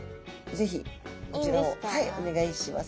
是非こちらをお願いします。